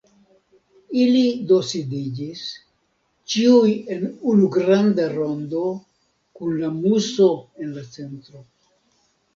Ili do sidiĝis, ĉiuj en unu granda rondo, kun la Muso en la centro.